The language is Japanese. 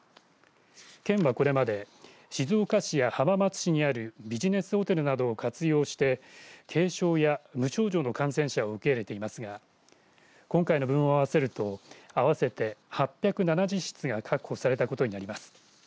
県は、これまで静岡市や浜松市にあるビジネスホテルなどを活用して軽症や無症状の感染者を受け入れていますが今回の分を合わせると合わせて８７０室が確保されたことになります。